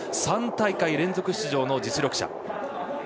３大会連続出場の実力者。